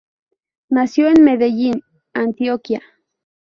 Nació en Medellín, Antioquia.